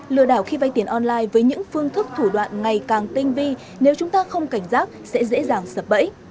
lừa đảo khi vay tiền online với những phương thức thủ đoạn ngày càng tinh vi nếu chúng ta không cảnh giác sẽ dễ dàng sập bẫy